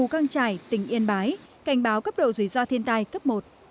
căng trải tỉnh yên bái cảnh báo cấp độ rủi ro thiên tai cấp một